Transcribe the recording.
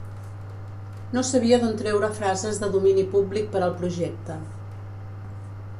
No sabia d'on treure frases de domini public per al projecte.